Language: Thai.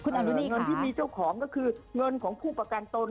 อนุนีเงินที่มีเจ้าของก็คือเงินของผู้ประกันตน